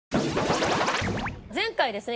前回ですね